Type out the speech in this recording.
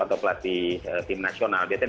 atau pelatih tim nasional biasanya